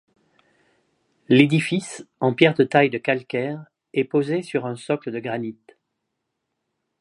L'édifice, en pierre de taille de calcaire, est posé sur un socle de granite.